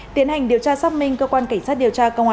tiến hành điều tra xác minh cơ quan cảnh sát điều tra